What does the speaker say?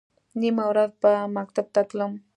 نیمه ورځ به مکتب ته تلم.